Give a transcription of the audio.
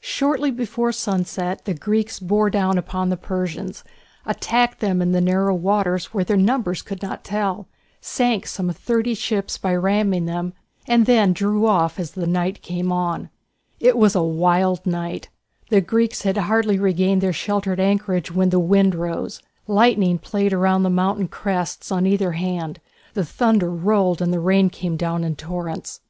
Shortly before sunset the Greeks bore down on the Persians, attacked them in the narrow waters where their numbers could not tell, sank some thirty ships by ramming them, and then drew off as the night came on. It was a wild night. The Greeks had hardly regained their sheltered anchorage when the wind rose, lightning played round the mountain crests on either hand, the thunder rolled and the rain came down in torrents.